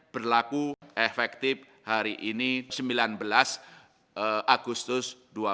berlaku efektif hari ini sembilan belas agustus dua ribu dua puluh